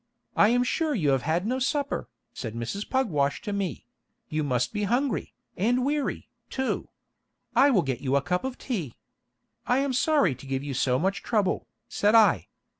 "I am sure you have had no supper," said Mrs. Pugwash to me; "you must be hungry, and weary, too. I will get you a cup of tea." "I am sorry to give you so much trouble," said I.